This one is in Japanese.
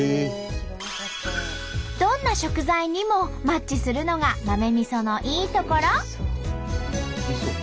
どんな食材にもマッチするのが豆みそのいいところ。